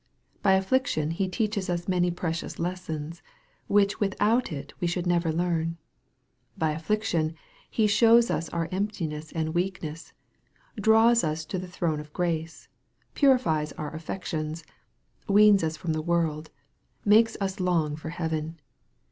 By affliction He teaches us many precious lessons, which without it we should never learn. By affliction He shows us our emptiness and weakness, draws us to the throne of grace, purifies our affections, weans us from the world, makes us long for heaven.